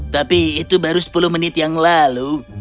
tapi itu baru sepuluh menit yang lalu